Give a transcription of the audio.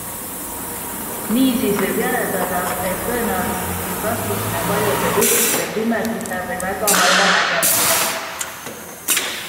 Niisiis võib järeldada, et tõenäoliselt viib rasvumine paljudel juhtudel pimeduse või väga halva nägemiseni.